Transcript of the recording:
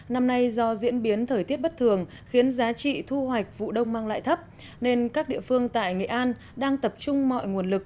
năm nay do diễn biến thời tiết bất thường khiến giá trị thu hoạch vụ đông mang lại thấp nên các địa phương tại nghệ an đang tập trung mọi nguồn lực